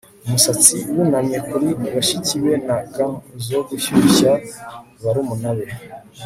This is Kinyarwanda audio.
umusatsi wunamye kuri bashiki be na gants zo gushyushya barumuna be